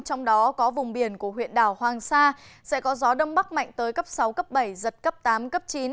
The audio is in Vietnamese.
trong đó có vùng biển của huyện đảo hoàng sa sẽ có gió đông bắc mạnh tới cấp sáu cấp bảy giật cấp tám cấp chín